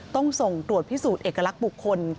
ต้องส่งตรวจพิสูจน์เอกลักษณ์บุคคล